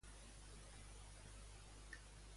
Per quin motiu estava sent el polític encercat?